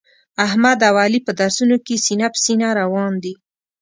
احمد او علي په درسونو کې سینه په سینه روان دي.